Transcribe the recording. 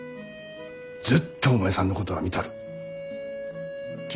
ずっとお前さんのことは見たる。